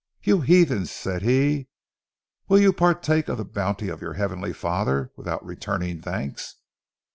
'You heathens,' said he, 'will you partake of the bounty of your Heavenly Father without returning thanks?'